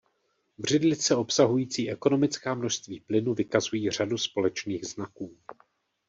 Břidlice obsahující ekonomická množství plynu vykazují řadu společných znaků.